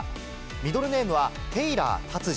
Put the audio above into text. ミドルネームはテイラー・タツジ。